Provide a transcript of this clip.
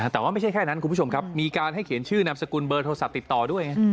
แต่ว่าไม่ใช่แค่นั้นคุณผู้ชมครับมีการให้เขียนชื่อนามสกุลเบอร์โทรศัพท์ติดต่อด้วย